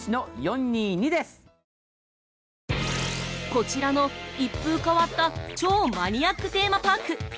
◆こちらの一風変わった超マニアックテーマパーク。